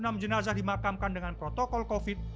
ketiga jenazah dimakamkan dengan protokol covid sembilan belas